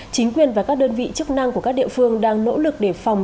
chính quyền và các đơn vị chức năng của các địa phương đang nỗ lực để phòng